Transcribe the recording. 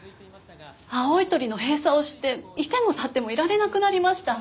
青い鳥の閉鎖を知って居ても立ってもいられなくなりました。